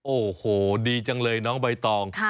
โอ้โหดีจังเลยน้องใบตอง